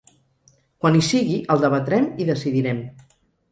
Quan hi sigui, el debatrem, i decidirem.